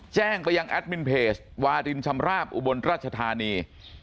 แจ้งไปยังแอดมินเพจวารินชำราบอุบลราชธานี